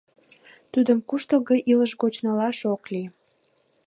Тудым куштылго илыш гоч налаш ок лий.